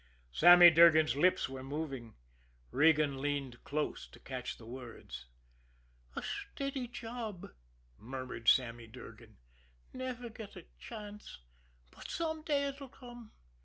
Sammy Durgan's lips were moving. Regan leaned close to catch the words. "A steady job," murmured Sammy Durgan. "Never get a chance. But some day it'll come.